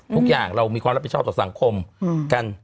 ทุกอย่างเรามีความรับผิดชอบต่อสังคมกัน